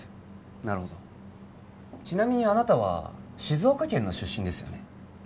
なるほどちなみにあなたは静岡県の出身ですよね